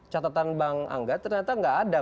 tempatan bang angga ternyata enggak ada